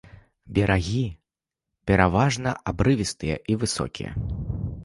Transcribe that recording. Берагі пераважна абрывістыя і высокія.